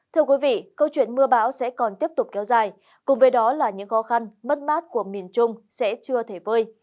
thưa quý vị câu chuyện mưa bão sẽ còn tiếp tục kéo dài cùng với đó là những khó khăn mất mát của miền trung sẽ chưa thể vơi